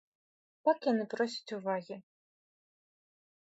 Так яны просяць увагі.